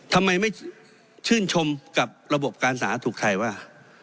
ทำไมไม่ชื่นชมกับระบบการสาธารณสุขไทยว่า